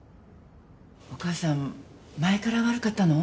お母さん前から悪かったの？